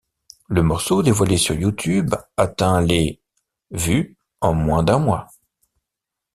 Le morceau, dévoilé sur YouTube, atteint les vues en moins d'un mois.